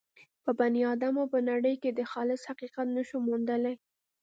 په بني ادمانو به نړۍ کې خالص حقیقت نه شو موندلای.